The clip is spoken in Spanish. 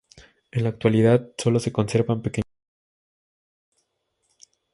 En la actualidad, solo se conservan pequeños fragmentos.